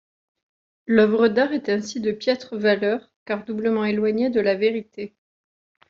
L'œuvre d'art est ainsi de piètre valeur, car doublement éloignée de la vérité.